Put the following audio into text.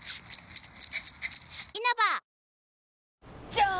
じゃーん！